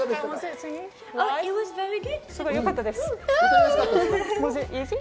すごいよかったです！